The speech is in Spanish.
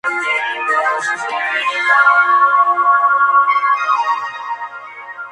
Los ganadores deben jugar partidos promocionales con equipos de esa categoría.